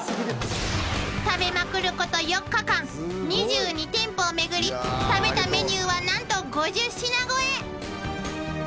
［食べまくること４日間２２店舗を巡り食べたメニューは何と５０品超え］